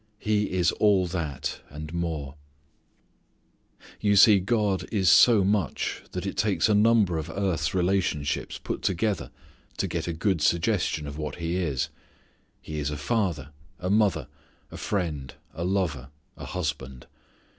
He is all that, and more. You see God is so much that it takes a number of earth's relationships put together to get a good suggestion of what He is. He is a father, a mother, a friend, a lover, a husband.